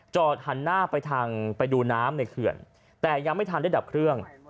หันหน้าไปทางไปดูน้ำในเขื่อนแต่ยังไม่ทันได้ดับเครื่อง